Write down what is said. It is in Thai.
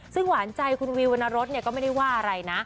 ซึ่งหวานใจคุณวิววรรณรสก็ไม่ได้ว่าอะไรนะ